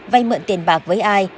vay mượn tiền bạc với ai